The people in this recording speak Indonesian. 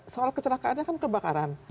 soal kecelakaannya kan kebakaran